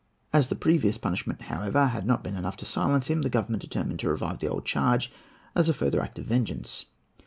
As the previous punishment, however, had not been enough to silence him, the Government determined to revive the old charge as a further act of vengeance.